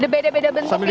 beda beda bentuk ini